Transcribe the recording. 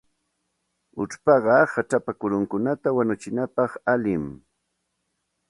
Uchpaqa hachapa kurunkunata wanuchinapaq allinmi.